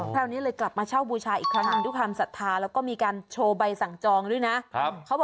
คราวนี้เลยกลับมาเช่าบูชาอีกครั้งหนึ่งด้วยความศรัทธาแล้วก็มีการโชว์ใบสั่งจองด้วยนะ